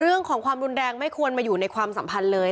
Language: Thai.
ความรุนแรงไม่ควรมาอยู่ในความสัมพันธ์เลย